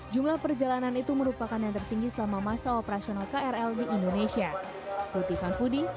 jumlah perjalanan itu merupakan yang tertinggi selama masa operasional krl di indonesia